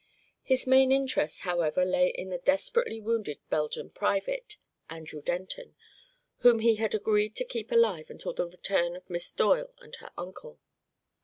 His main interest, however, lay in the desperately wounded Belgian private, Andrew Denton, whom he had agreed to keep alive until the return of Miss Doyle and her uncle.